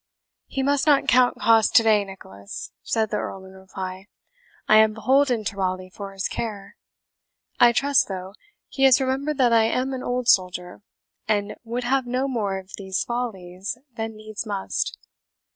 "He must not count cost to day, Nicholas," said the Earl in reply. "I am beholden to Raleigh for his care. I trust, though, he has remembered that I am an old soldier, and would have no more of these follies than needs must."